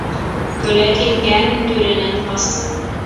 Көлә килгән түрәнән ҡас.